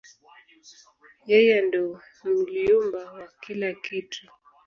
Yeye ndo mlyumba wa kila kitu